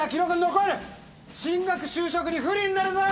進学就職に不利になるぞ！